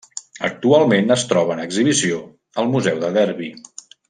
Actualment es troba en exhibició al Museu de Derby.